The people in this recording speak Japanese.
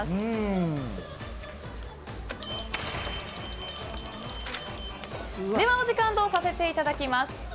お時間とさせていただきます。